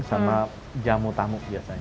sama jamu tamu biasanya